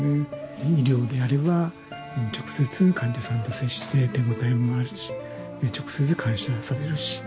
医療であれば直接患者さんと接して手応えもあるし直接感謝はされるし。